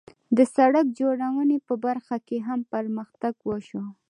د سړک جوړونې په برخه کې هم پرمختګ وشو.